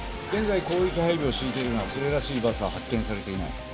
現在広域配備を敷いているがそれらしいバスは発見されていない。